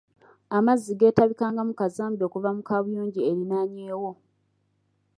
Amazzi geetabikangamu kazambi okuva mu kaabuyonjo eriraanyeewo.